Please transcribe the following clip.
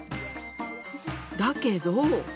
だけど。